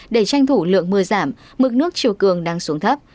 để tranh thủ lượng mưa giảm mực nước chiều cường đang xuống thấp